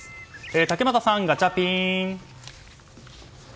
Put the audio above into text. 竹俣さん、ガチャピン。